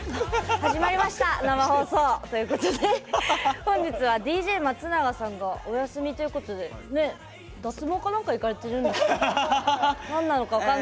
始まりました、生放送。ということで、本日はＤＪ松永さんがお休みということで脱毛か何かに行かれてるんですかね。